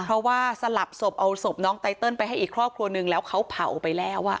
เพราะว่าสลับศพเอาศพน้องไตเติลไปให้อีกครอบครัวนึงแล้วเขาเผาไปแล้ว